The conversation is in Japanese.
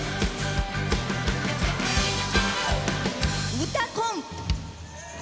「うたコン」！